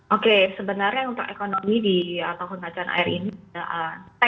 oke sebenarnya untuk ekonomi di tahun macan air ini